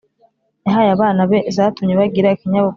yahaye abana be zatumye bagira ikinyabupfura